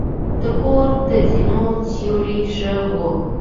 د کور د زینو سیوري ښه وه.